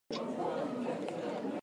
じんじをつくしててんめいをまつ